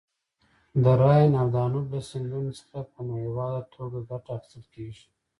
د راین او دانوب له سیندونو څخه په نړیواله ټوګه ګټه اخیستل کیږي.